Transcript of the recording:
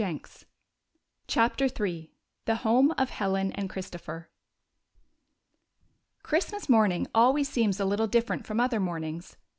32 CHAPTER III THE HOME OF HELEN AND CHRISTOPHER C HRISTMAS morning always seems a little different from other mornings.